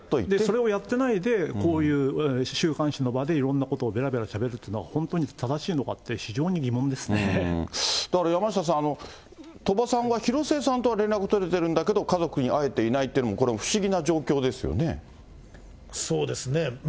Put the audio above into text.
それをやらないで、こういう週刊誌の場でいろんなことをべらべらしゃべるっていうのは、本当に正しいのかって、非常に疑問でだから山下さん、鳥羽さんが、広末さんとは連絡取れてるんだけど、家族に会えてないっていうのそうですね。